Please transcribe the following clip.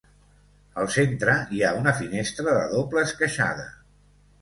Al centre hi ha una finestra de doble esqueixada.